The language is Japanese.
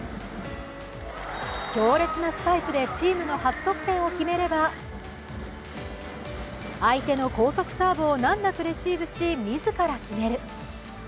強烈なスパイクでチームの初得点を決めれば相手の高速サーブを難なくレシーブし、自ら決める。